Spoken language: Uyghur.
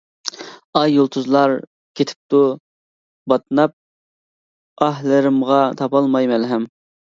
ئاي، يۇلتۇزلار كېتىپتۇ باتناپ، ئاھلىرىمغا تاپالماي مەلھەم.